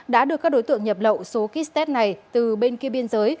đã được các đối tượng nhập lậu số kit test này từ bên kia biên giới